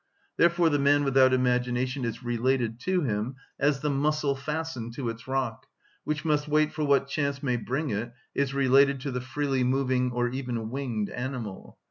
Therefore the man without imagination is related to him, as the mussel fastened to its rock, which must wait for what chance may bring it, is related to the freely moving or even winged animal.